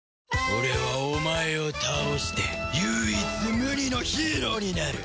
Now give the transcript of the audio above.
俺はお前を倒して唯一無二のヒーローになる！